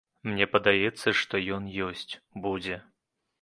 Мне падаецца, што ён ёсць, будзе.